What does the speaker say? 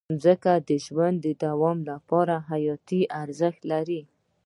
مځکه د ژوند د دوام لپاره حیاتي ارزښت لري.